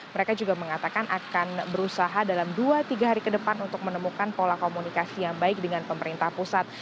mereka juga mengatakan akan berusaha dalam dua tiga hari ke depan untuk menemukan pola komunikasi yang baik dengan pemerintah pusat